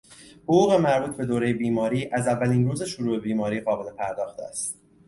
حقوق مربوط به دورهی بیماری از اولین روز شروع بیماری قابل پرداخت است.